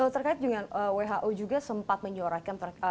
terkait dengan who juga sempat menyorotkan soal